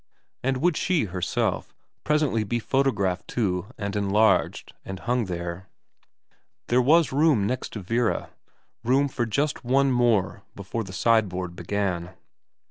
But would she, herself, pre sently be photographed too and enlarged and hung there ? There was room next to Vera, room for just one more before the sideboard began.